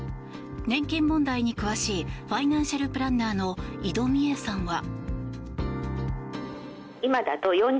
年金問題に詳しいファイナンシャルプランナーの井戸美枝さんは。